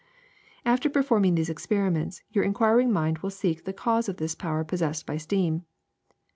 ^* After performing these experiments your inquir ing mind will seek the cause of this power possessed by steam.